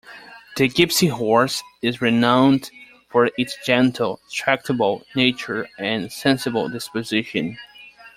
The Gypsy Horse is renowned for its gentle, tractable nature and sensible disposition.